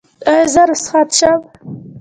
ایا زه رخصت شم؟